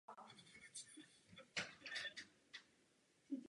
To zní tak nudně.